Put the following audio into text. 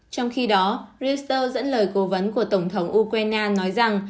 trong khi đó reasters dẫn lời cố vấn của tổng thống ukraine nói rằng